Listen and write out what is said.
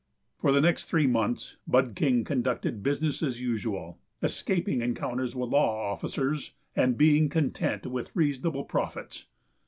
For the next three months Bud King conducted business as usual, escaping encounters with law officers and being content with reasonable profits.